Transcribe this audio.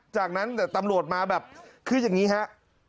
จากนั้นแต่ตำรวจมาแบบคืออย่างนี้ครับ